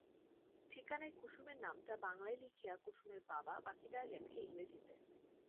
ঠিকানায় কুসুমের নামটা বাঙলায় লিখিয়া কুসুমের বাবা বাকিটা লেখে ইংরেজিতে।